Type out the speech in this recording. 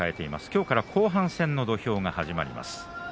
今日から後半戦の土俵が始まります。